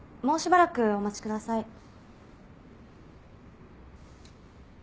もうしばらくお待ちください。